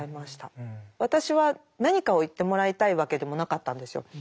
私は何かを言ってもらいたいわけでもなかったんですよ。